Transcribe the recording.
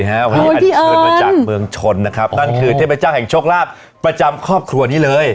วันนี้อันเชิญมาจากเมืองชนนะครับนั่นคือเทพเจ้าแห่งโชคลาภประจำครอบครัวนี้เลย